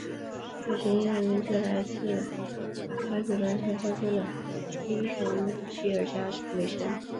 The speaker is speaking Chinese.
小行星的名字来自古巴比伦传说中的英雄吉尔伽美什。